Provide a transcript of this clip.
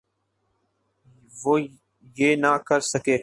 وہ یہ نہ کر سکے۔